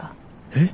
えっ！？